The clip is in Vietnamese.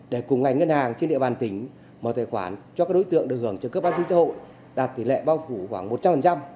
để cùng ngành ngân hàng trên địa bàn tỉnh mở tài khoản cho các đối tượng được hưởng cho cấp bán chứa chứa hội đạt tỷ lệ bao phủ khoảng một trăm linh